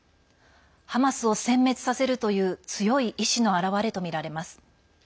ハマスをせん滅させるという強い意志の表れとみられます。